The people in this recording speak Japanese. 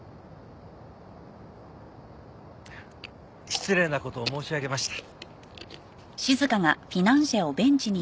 失礼な事を申し上げました。